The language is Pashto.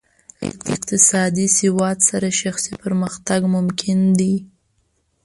اقتصادي سواد سره شخصي پرمختګ ممکن دی.